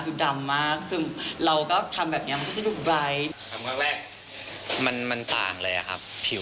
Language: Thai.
เหมือนหนังย่างดีดเรา